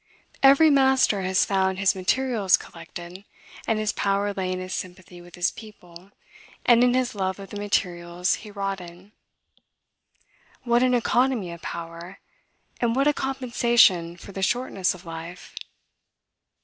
Every master has found his materials collected, and his power lay in his sympathy with his people, and in his love of the materials he wrought in. What an economy of power! and what a compensation for the shortness of life!